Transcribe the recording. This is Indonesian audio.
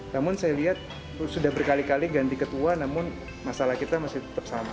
namun saya lihat sudah berkali kali ganti ketua namun masalah kita masih tetap sama